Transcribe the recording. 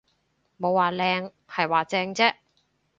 冇話靚，係話正啫